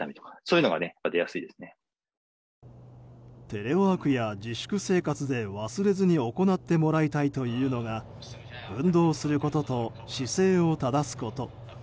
テレワークや自粛生活で忘れずに行ってもらいたいというのが運動することと姿勢を正すこと。